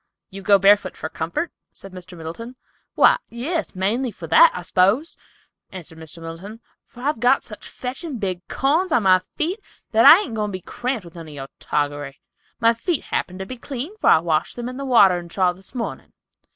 "You go barefoot for comfort?" said Mr. Miller. "Why, yes, mainly for that, I suppose," answered Mr. Middleton, "for I've got such fetchin' big corns on my feet that I ain't goin' to be cramped with none of your toggery. My feet happen to be clean, for I washed them in the watering trough this mornin'.